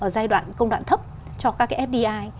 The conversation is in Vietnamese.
giai đoạn công đoạn thấp cho các cái fdi